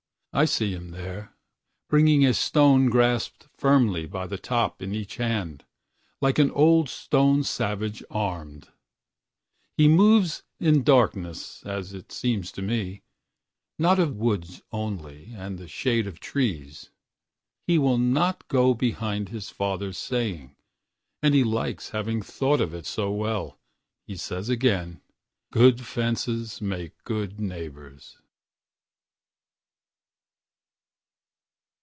I see him thereBringing a stone grasped firmly by the topIn each hand, like an old stone savage armed. He moves in darkness as it seems to me, Not of woods only and the shade of trees. He will not go behind his father's saying, And he likes having thought of it so wellHe says again, "Good fences make good neighbors."